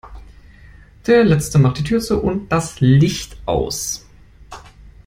Der Letzte macht die Tür zu und das Licht aus.